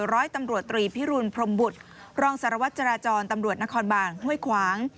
ร้อยตำรวจตรีพิรุณพรมบุตรรองสารวัตรจราจรตำรวจนครบานห้วยขวาง